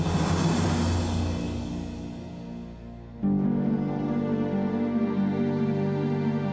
nih orang nyata